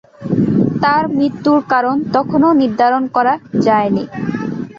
তার মৃত্যুর কারণ তখনও নির্ধারণ করা যায়নি।